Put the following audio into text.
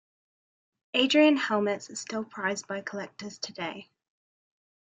Adrian helmets are still prized by collectors today.